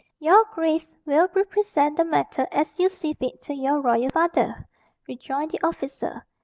"Your grace will represent the matter as you see fit to your royal father," rejoined the officer.